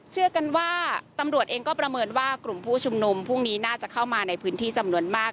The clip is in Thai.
เชื่อกันว่าตำรวจเองก็ประเมินว่ากลุ่มผู้ชุมนุมพรุ่งนี้น่าจะเข้ามาในพื้นที่จำนวนมาก